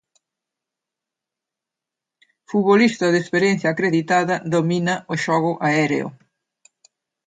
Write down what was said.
Futbolista de experiencia acreditada, domina o xogo aéreo.